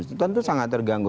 itu sangat terganggu